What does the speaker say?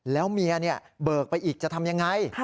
แล้วเมียเบิกไปอีกจะทำยังไง